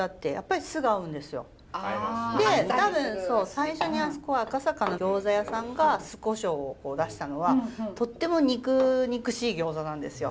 最初にあそこ赤坂の餃子屋さんが酢こしょうを出したのはとっても肉肉しい餃子なんですよ。